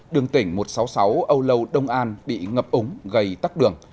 đường tỉnh một trăm sáu mươi sáu âu lâu đông an bị ngập úng gây tắt đường